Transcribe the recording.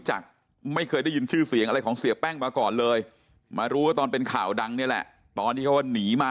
จากไม่เคยได้ยินชื่อเสียงอะไรของเสียแป้งมาก่อนเลยมารู้ว่าตอนเป็นข่าวดังนี่แหละตอนที่เขาหนีมา